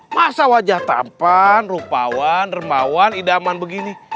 masa wajah tampan rupawan dermawan idaman begini